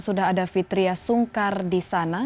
sudah ada fitriah sungkar di sana